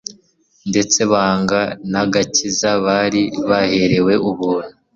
ndetse banga n'agakiza bari baherewe ubuntu.